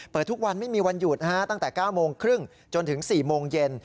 ทุกวันไม่มีวันหยุดตั้งแต่๙โมงครึ่งจนถึง๔โมงเย็น